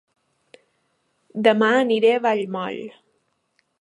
Dema aniré a Vallmoll